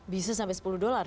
bisa sampai sepuluh dolar